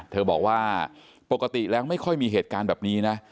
บอกว่าปกติแล้วไม่ค่อยมีเหตุการณ์แบบนี้นะ